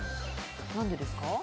何でですか？